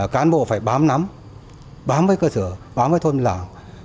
cán bộ phải bám nắm bám với cơ sở bám với thôn làng